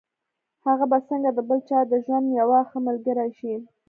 هغه به څنګه د بل چا د ژوند يوه ښه ملګرې شي.